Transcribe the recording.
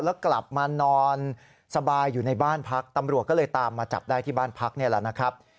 แล้วกลับมานอนสบายอยู่ในบ้านพักตำรวจก็เลยตามมาจับได้ที่บ้านพักนี่แหละนะครับ